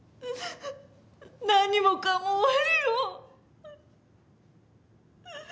何もかも終わりよ！